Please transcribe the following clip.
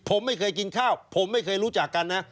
ผมไม่เคยกินข้าวผมไม่เคยรู้จักกันนะ